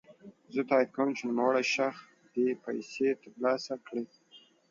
زه تاييد کوم چی نوموړی شخص دي پيسې ترلاسه کړي.